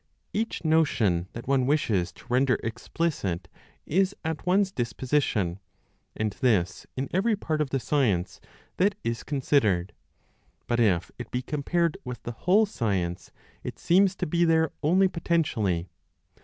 Each notion that one wishes to render explicit is at one's disposition; and this in every part of the science that is considered; but if it be compared with the whole science, it seems to be there only potentially.